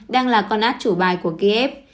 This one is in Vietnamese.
đang là con át chủ bài của kiev